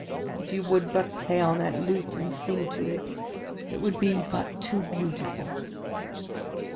if you would but play on that lute, and sing to it! It would be but too beautiful!"